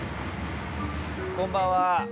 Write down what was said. こんばんは。